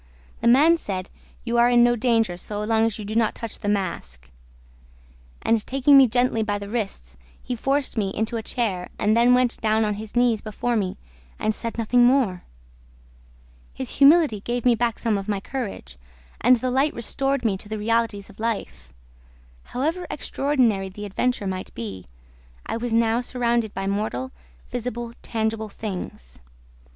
The man said, 'You are in no danger, so long as you do not touch the mask.' And, taking me gently by the wrists, he forced me into a chair and then went down on his knees before me and said nothing more! His humility gave me back some of my courage; and the light restored me to the realties of life. However extraordinary the adventure might be, I was now surrounded by mortal, visible, tangible things.